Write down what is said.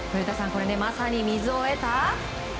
これまさに水を得た。